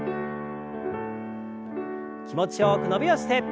気持ちよく伸びをして。